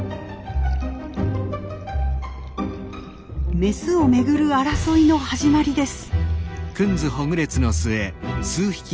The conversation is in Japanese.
メスを巡る争いの始まりです。